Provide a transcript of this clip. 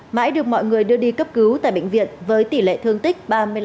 mãi được mọi người đưa đi cấp cứu tại bệnh viện với tỷ lệ thương tích ba mươi năm